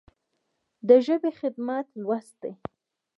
د ژبې خدمت لوست دی.